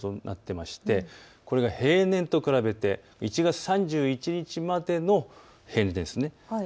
これが平年と比べて１月３１日までの平年ですね。